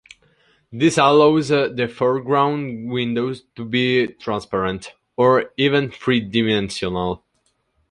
This allows the foreground window to be transparent, or even three dimensional.